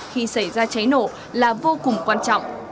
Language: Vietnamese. khi xảy ra cháy nổ là vô cùng quan trọng